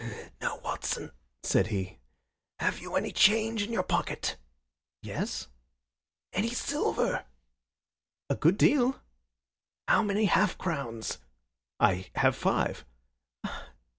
"Now, Watson," said he. "Have you any change in your pocket?" "Yes." "Any silver?" "A good deal." "How many half crowns?" "I have five."